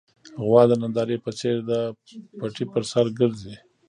غوا د نندارې په څېر د پټي پر سر ګرځي.